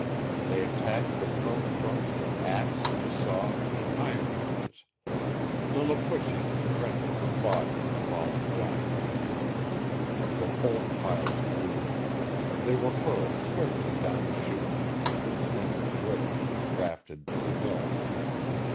They attacked the prone trunks with axe and saw and iron wedges, Lilliputians rending the body of a fallen giant. The bolt piles grew; they were hurled swiftly down the chute into the dwindling river, rafted to the mill.